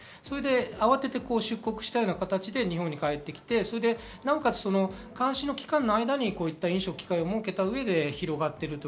慌てて出国したような形で日本に帰ってきて、なおかつ監視の期間の間に、飲食機会を設けて広がっているという